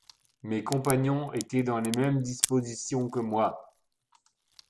Mes compagnons étaient dans les mêmes dispositions que moi.